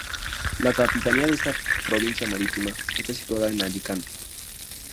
La capitanía de esta provincia marítima está situada en Alicante.